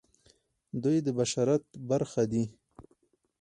دوی د بشریت برخه دي.